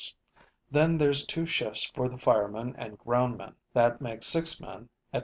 Then there's two shifts for the firemen and ground men; that makes six men at $36.